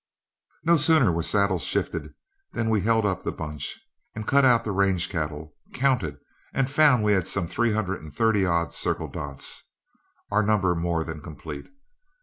No sooner were saddles shifted than we held up the bunch, cut out the range cattle, counted, and found we had some three hundred and thirty odd Circle Dots, our number more than complete.